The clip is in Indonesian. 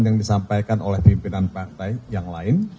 yang disampaikan oleh pimpinan partai yang lain